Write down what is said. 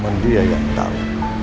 cuman dia yang tau